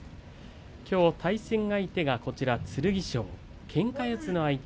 きょう対戦相手が剣翔けんか四つの相手。